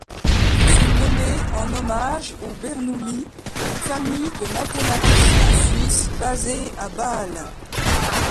Il fut nommé en hommage aux Bernoulli, famille de mathématiciens suisses basée à Bâle.